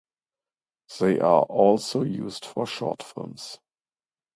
They are also used for short films.